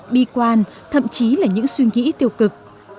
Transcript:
bi quan thậm chí là những suy nghĩ tiêu cực